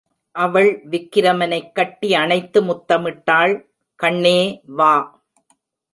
அவள் விக்கிரமனைக் கட்டி அணைத்து முத்தமிட்டாள் கண்ணே, வா.